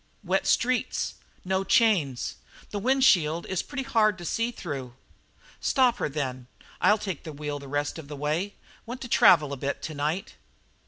"Wet streets no chains this wind shield is pretty hard to see through." "Stop her, then. I'll take the wheel the rest of the way. Want to travel a bit to night."